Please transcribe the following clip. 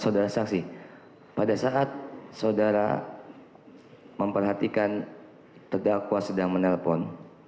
saudara saksi pada saat saudara memperhatikan terdakwa sedang menelpon